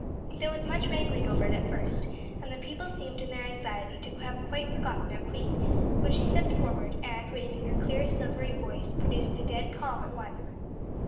There was much wrangling over it at first, and the people seemed in their anxiety to have quite forgotten their queen, when she stepped forward, and, raising her clear silvery voice, produced a dead calm at once.